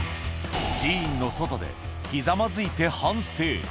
寺院の外でひざまずいて反省。